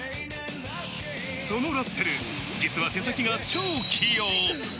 そのラッセル、実は手先が超器用。